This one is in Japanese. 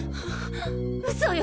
嘘よ！